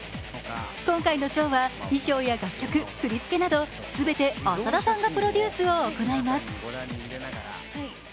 今回のショーは、衣装や楽曲、振り付けなどすべて浅田さんがプロデュースを行います。